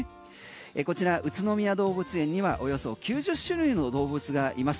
こちら宇都宮動物園にはおよそ９０種類の動物がいます。